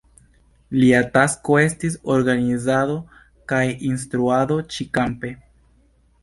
Lia tasko estis organizado kaj instruado ĉi-kampe.